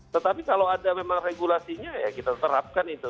tetapi kalau ada memang regulasinya ya kita terapkan itu